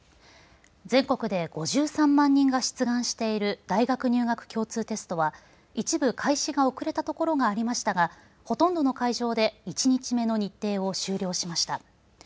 全国で５３万人が出願している大学入学共通テストは一部、開始が遅れたところがありましたがほとんどの会場で１日目の日程を終了しました。